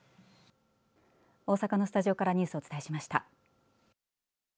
大阪のスタジオからニュースをお伝えしました。